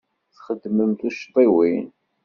Txedmem tuccḍiwin.